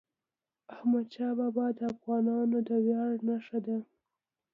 احمدشاه بابا د افغانانو د ویاړ نښه ده.